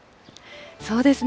そうですね。